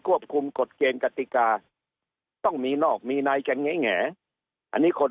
ควบคุมกฎเกณฑ์กติกาต้องมีนอกมีนายกันแงอันนี้คน